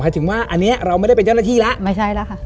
ถึงว่าอันนี้เราไม่ได้เป็นเจ้าหน้าที่แล้วไม่ใช่แล้วค่ะ